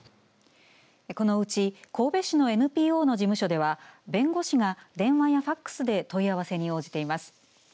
このうち神戸市のＮＰＯの事務所では弁護士が電話やファックスで問い合わせに応じています。